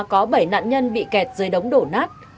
có bảy nạn nhân bị kẹt dưới đống đổ nát